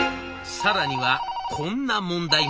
更にはこんな問題も。